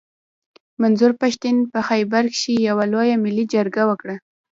منظور پښتين په خېبر کښي يوه لويه ملي جرګه وکړه.